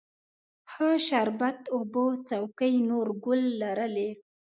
ښه شربت اوبه څوکۍ، نورګل لرلې